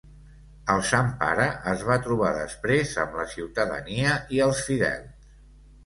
El Sant Pare es va trobar després amb la ciutadania i els fidels.